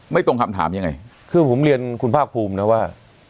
ตรงคำถามยังไงคือผมเรียนคุณภาคภูมินะว่า